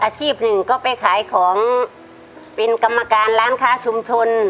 อาชีพหนึ่งก็ไปขายของเป็นกรรมการร้านค้าชุมชน